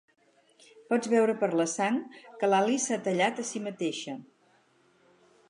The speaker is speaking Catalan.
Pots veure per la sang que l'Alice s'ha tallat a si mateixa.